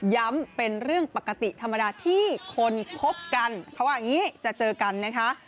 เป็นเรื่องปกติธรรมดาที่คนคบกันเขาว่าอย่างนี้จะเจอกันนะคะ